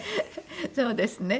そうですね。